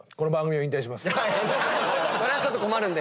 それはちょっと困るんで。